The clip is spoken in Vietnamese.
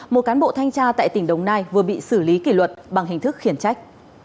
một cán bộ thanh tra tại tỉnh đồng nai vừa bị xử lý kỷ luật bằng hình thức khiển trách